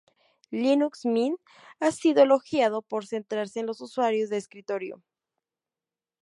Linux Mint ha sido elogiado por centrarse en los usuarios de escritorio.